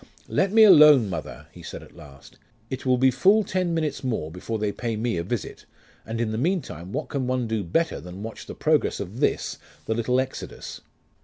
'Let me alone, mother,' he said, at last. 'It will be full ten minutes more before they pay me a visit, and in the meantime what can one do better than watch the progress of this, the little Exodus?